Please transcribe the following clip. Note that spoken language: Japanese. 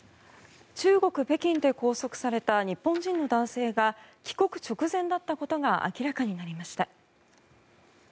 中国・北京で拘束された日本人の男性が帰国直前だったことが明らかになりました。